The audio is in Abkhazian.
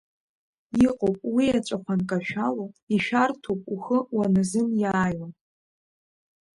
Иҟоуп, уиеҵәахә анкашәало, ишәарҭоуп ухы уаназымиааиуа.